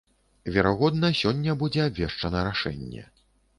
Верагодна, сёння будзе абвешчана рашэнне.